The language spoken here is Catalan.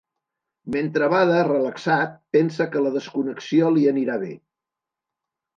Mentre bada, relaxat, pensa que la desconnexió li anirà bé.